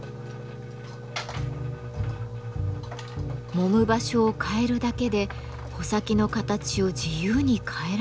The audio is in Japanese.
揉む場所を変えるだけで穂先の形を自由に変えられるのだとか。